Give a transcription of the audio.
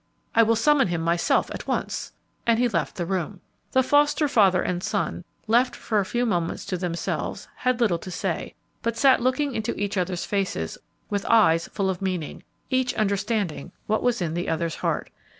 I will summon him, myself, at once," and he left the room. The foster father and son, left for a few moments to themselves, had little to say, but sat looking into each other's faces with eyes full of meaning, each understanding what was in the other's heart.